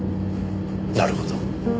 なるほど。